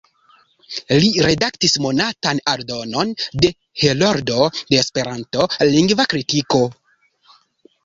Li redaktis monatan aldonon de "Heroldo de Esperanto: Lingva Kritiko.